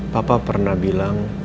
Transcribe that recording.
papa pernah bilang